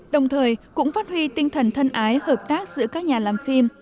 đồng thời cũng phát huy tinh thần thân ái hợp tác giữa các nhà làm phim